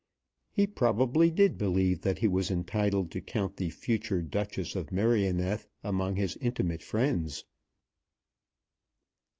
He probably did believe that he was entitled to count the future Duchess of Merioneth among his intimate friends.